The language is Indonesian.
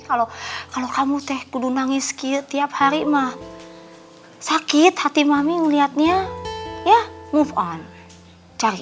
kalau kalau kamu teh kudu nangis tiap hari mah sakit hati mami ngeliatnya ya move on cari